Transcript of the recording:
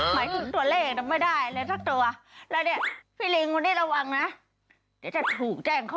มีราบอ๋อมีราบอยู่เดี๋ยวไปชื้อเอาอยู่หน้าหมู่บ้าน